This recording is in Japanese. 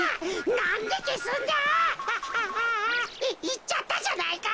いっちゃったじゃないか！